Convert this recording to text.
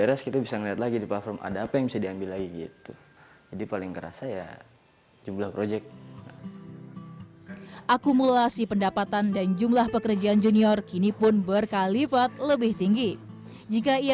akumulasi pendapatan dan jumlah pekerjaan junior kini pun berkalipat lebih tinggi jika ia